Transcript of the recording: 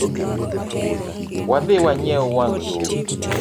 Wadhi wanyiew wang jowi.